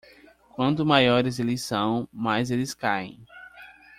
Quanto maiores eles são, mais eles caem.